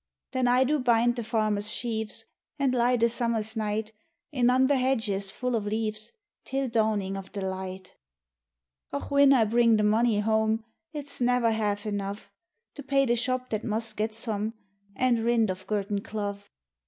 Then I do bind the farmer's sheaves, And lie the summer's night In undher hedges full o' leaves Till dawning of the light. 94 MAURY OGE Och, whin I bring the money home It's never half enough To pay the shop that must get some. An' rint of Gurteen Clough.